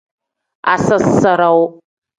Asasarawu.